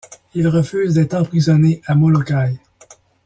Il refuse d'être emprisonné à Molokai.